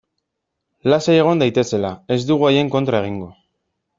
Lasai egon daitezela, ez dugu haien kontra egingo.